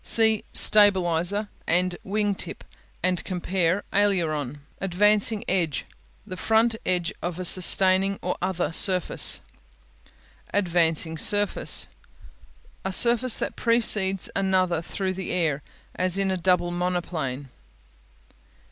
See "Stabilizer'" and "Wing tip" and compare "Aileron." Advancing Edge The front edge of a sustaining or other surface. Advancing Surface A surface that precedes another through the air, as in a double monoplane.